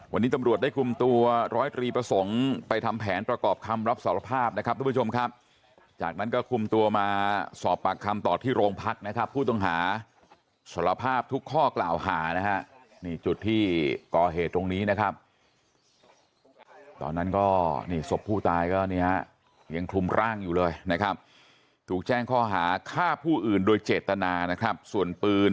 ก็ทำกว่าจะอาจไปเลี่ยวอย่างนี้